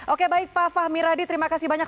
oke baik pak fahmi radi terima kasih banyak